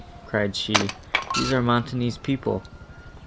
cried she, "these are Montoni's people."